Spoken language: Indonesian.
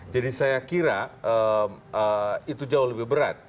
jadi saya kira itu jauh lebih berat